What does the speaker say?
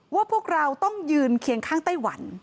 พวกเราต้องยืนเคียงข้างไต้หวัน